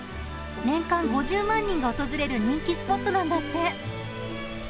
年間５０万人が訪れる人気スポットなんだって。